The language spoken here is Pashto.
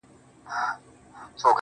هغوو ته ځکه تر لیلامه پوري پاته نه سوم.